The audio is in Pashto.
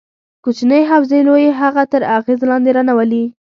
کوچنۍ حوزې لویې هغه تر اغېز لاندې رانه ولي.